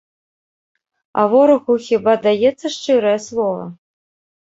А ворагу хіба даецца шчырае слова?